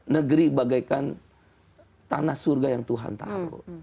negeri bagaikan tanah surga yang tuhan tahu